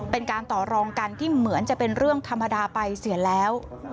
เป็นการต่อรองกันที่เหมือนจะเป็นเรื่องธรรมดาไปเสียแล้ว